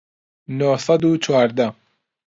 نۆ سەد و چواردە